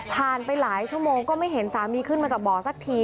ไปหลายชั่วโมงก็ไม่เห็นสามีขึ้นมาจากบ่อสักที